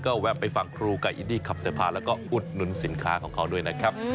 ก็แวะไปฟังครูกับอินดี้ขับเสื้อผ้าแล้วก็อุดหนุนสินค้าของเขาด้วยนะครับ